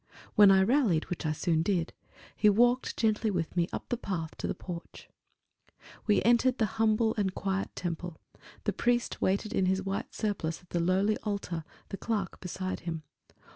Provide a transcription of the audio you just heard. When I rallied, which I soon did, he walked gently with me up the path to the porch. We entered the quiet and humble temple; the priest waited in his white surplice at the lowly altar, the clerk beside him.